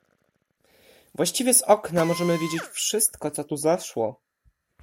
"Właściwie z okna możemy widzieć wszystko, co tu zaszło."